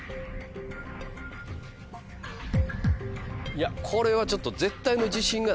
いやこれはちょっと。